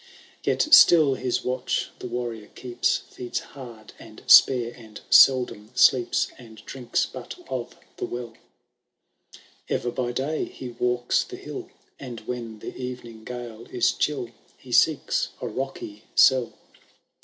Yet still his watch the Waziior keeps. Feeds haid and spare, and seldom sleeps, And drinks but of the well ; £yer by day he walks the lull. And when the eyening gale is chill. He seeks a rocky cell.